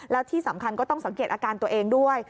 แล้วที่สำคัญก็ต้องสังเกตอาการตัวเองด้วย